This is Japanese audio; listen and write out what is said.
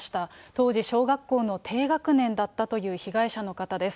当時、小学校の低学年だったという被害者の方です。